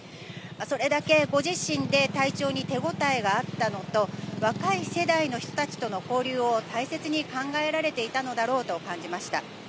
それだけ、ご自身で体調に手応えがあったのと、若い世代の人たちとの交流を大切に考えられていたのだろうと感じました。